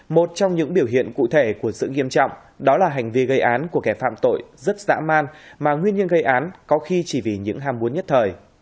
một trong những biểu hiện cụ thể của sự nghiêm trọng đó là hành vi gây án của kẻ phạm tội rất dã man mà nguyên nhân gây án có khi chỉ vì những ham muốn nhất thời